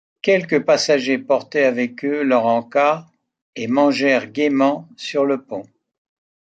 Quelques passagers portaient avec eux leur en-cas, et mangèrent gaîment sur le pont.